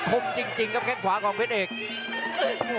คมจริงครับแค่งขวาของเพชรเอก